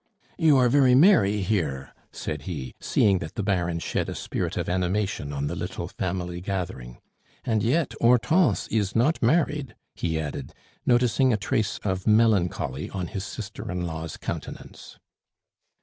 "You are very merry here," said he, seeing that the Baron shed a spirit of animation on the little family gathering. "And yet Hortense is not married," he added, noticing a trace of melancholy on his sister in law's countenance.